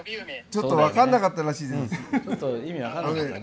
ちょっと分かんなかったらしいです。